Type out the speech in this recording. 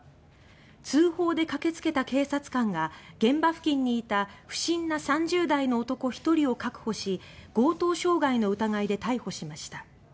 通報で駆けつけた警察官が現場付近にいた不審な３０代の男１人を確保し強盗傷害の疑いで逮捕しました。